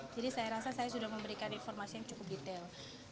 jadi saya rasa saya sudah memberikan informasi yang cukup detail